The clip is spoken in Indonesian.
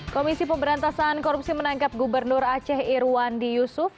komisi pemberantasan korupsi menangkap gubernur aceh irwandi yusuf